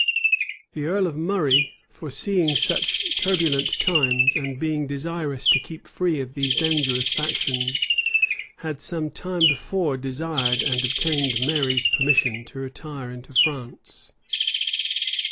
The earl of Murray, foreseeing such turbulent times, and being desirous to keep free of these dangerous factions, had some time before desired and obtained Mary's permission to retire into France.